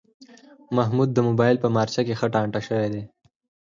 محمود د مبایل په مارچه کې ښه ټانټه شوی دی.